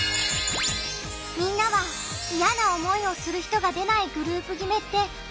みんなは嫌な思いをする人が出ないグループ決めってあると思う？